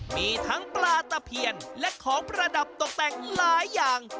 มีทั้งปลาตะเพียนและของประดับตกแต่งหลายอย่าง